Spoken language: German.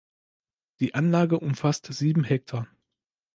Die Anlage umfasst sieben Hektar.